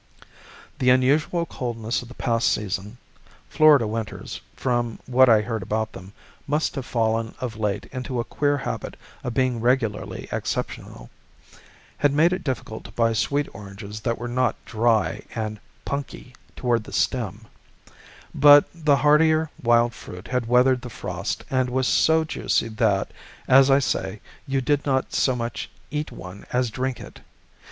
The unusual coldness of the past season (Florida winters, from what I heard about them, must have fallen of late into a queer habit of being regularly exceptional) had made it difficult to buy sweet oranges that were not dry and "punky" toward the stem; but the hardier wild fruit had weathered the frost, and was so juicy that, as I say, you did not so much eat one as drink it.